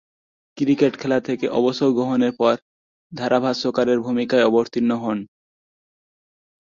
Cricket খেলা থেকে অবসর গ্রহণের পর ধারাভাষ্যকারের ভূমিকায় অবতীর্ণ হন।